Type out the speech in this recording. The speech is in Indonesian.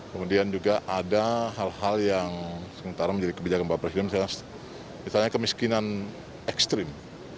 kemudian juga ada hal hal yang sementara menjadi kebijakan bapak presiden misalnya kemiskinan ekstrim